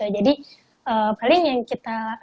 jadi paling yang kita